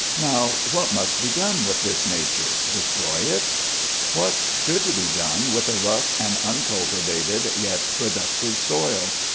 Now, what must be done with this nature? destroy it ? What should be done with a rough and uncul tivated, yet productive soil